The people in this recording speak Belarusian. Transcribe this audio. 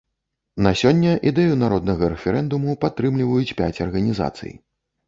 На сёння ідэю народнага рэферэндуму падтрымліваюць пяць арганізацый.